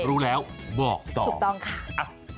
รู้แล้วบอกต่อถูกต้องค่ะ